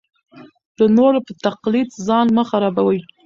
د نورو په تقلید ځان مه خرابوئ.